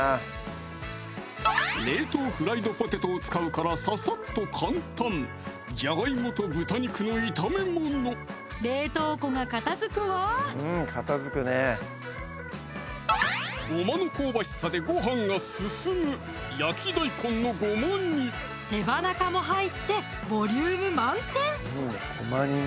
冷凍フライドポテトを使うからささっと簡単冷凍庫が片づくわごまの香ばしさでごはんが進む手羽中も入ってボリューム満点